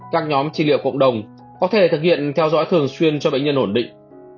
các nhóm trị liệu cộng đồng có thể thực hiện theo dõi thường xuyên cho bệnh nhân ổn định